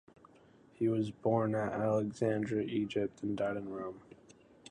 He was born at Alexandria, Egypt, and died in Rome.